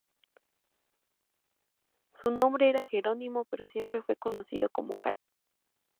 Su nombre era Gerónimo, pero siempre fue conocido como "Cacho".